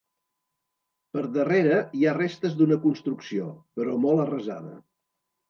Per darrere hi ha restes d'una construcció, però molt arrasada.